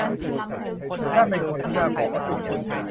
นั่นเป็นคนที่น่ากลัวกว่าเสมียน